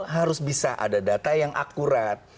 harus bisa ada data yang akurat